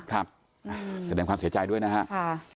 แสดงความเสียใจด้วยนะครับ